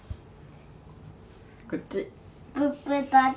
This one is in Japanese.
こっち。